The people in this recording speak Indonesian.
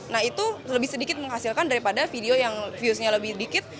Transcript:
nah itu lebih sedikit menghasilkan daripada video yang viewsnya lebih dikit